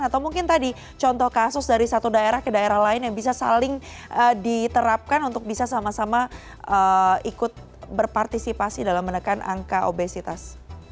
atau mungkin tadi contoh kasus dari satu daerah ke daerah lain yang bisa saling diterapkan untuk bisa sama sama ikut berpartisipasi dalam menekan angka obesitas